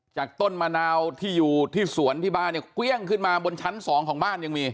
ต้นมะนาวที่อยู่ที่สวนที่บ้านเนี่ยเกลี้ยงขึ้นมาบนชั้นสองของบ้านยังมี